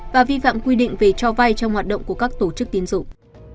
và vi phạm quy định về cho vay trong hoạt động của các tổ chức tiến dụng